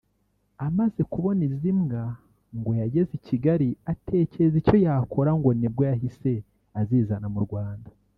Amaze kubona izi mbwa ngo yageze I Kigali atekereza icyo yakora ngo nibwo yahise azizana mu Rwanda